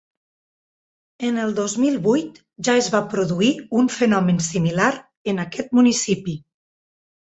En el dos mil vuit ja es va produir un fenomen similar en aquest municipi.